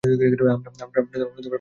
আমরা একসাথে যাবো।